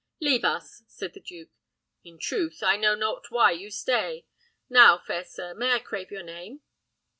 "Leave us!" said the duke. "In truth, I know not why you stay. Now, fair sir, may I crave your name?"